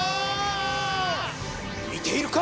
見ているか！